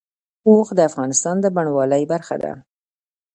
اوښ د افغانستان د بڼوالۍ برخه ده.